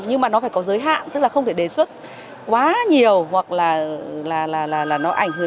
nhưng mà nó phải có giới hạn tức là không thể đề xuất quá nhiều hoặc là nó ảnh hưởng